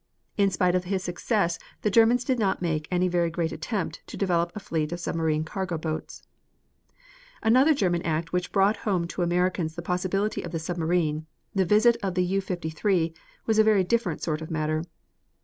In spite of his success the Germans did not make any very great attempt to develop a fleet of submarine cargo boats. The other German act which brought home to Americans the possibilities of the submarine, the visit of the U 53, was a very different sort of matter.